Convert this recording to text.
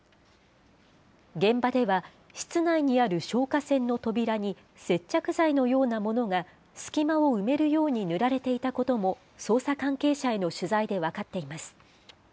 現場では、室内にある消火栓の扉に、接着剤のようなものが、隙間を埋めるように塗られていたことも捜査関係者への取材で分かっています。